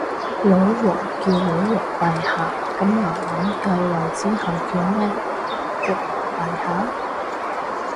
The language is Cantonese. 女王叫女皇陛下，噉男人繼位之後叫咩？國王陛下？